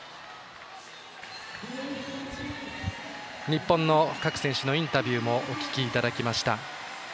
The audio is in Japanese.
日本の各選手のインタビューもお聞きいただきました。